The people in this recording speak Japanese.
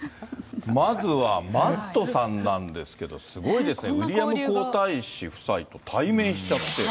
まずは、Ｍａｔｔさんなんですけど、すごいですね、ウィリアム皇太子夫妻と対面しちゃって。